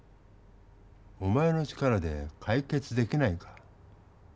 お前の力でかい決できないか？